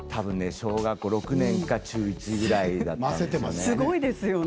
小学校６年か中１ぐらいですね。